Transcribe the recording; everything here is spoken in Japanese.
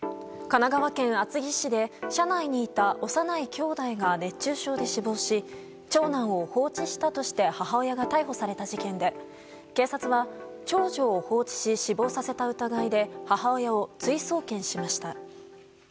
神奈川県厚木市で車内にいた幼い姉弟が熱中症で死亡し長男を放置したとして母親が逮捕された事件で警察は、長女を放置し死亡させた疑いで母親を追送検しました。